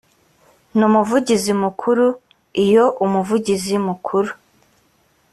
n umuvugizi mukuru iyo umuvugizi mukuru